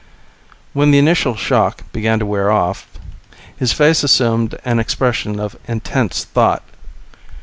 When the initial shock began to wear off, his face assumed an expression of intense thought.